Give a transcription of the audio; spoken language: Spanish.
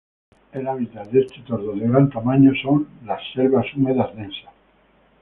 El hábitat de este tordo de gran tamaño son las selva húmeda densas.